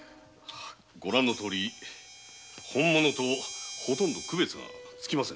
ご覧のとおり本物とほとんど区別がつきません。